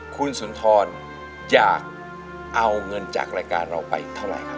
คุณสุนทรอยากเอาเงินจากรายการเราไปอีกเท่าไหร่ครับ